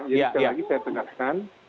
jadi sekali lagi saya tegaskan